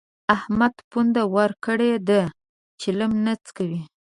احمد پونده ورکړې ده؛ چلم نه څکوي.